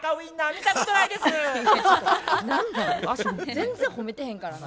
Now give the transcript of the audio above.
全然ほめてへんからな。